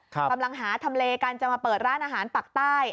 กำลังหาทำเลกันจะมาเปิดร้านอาหารปากใต้